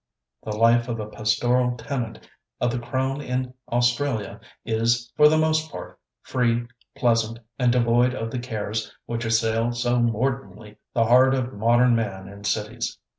The life of a pastoral tenant of the Crown in Australia is, for the most part, free, pleasant, and devoid of the cares which assail so mordantly the heart of modern man in cities.